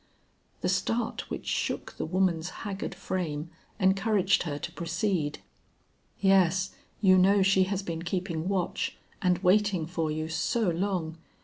The start which shook the woman's haggard frame, encouraged her to proceed. "Yes; you know she has been keeping watch, and waiting for you so long!